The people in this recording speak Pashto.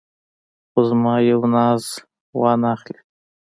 خو زما یو ناز وانه خلې.